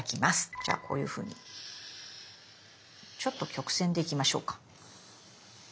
じゃあこういうふうにちょっと曲線で行きましょうか。